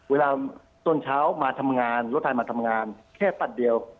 เวลาต้นเช้ามาทำงานรถไทยมาทำงานแค่ปัดเดียว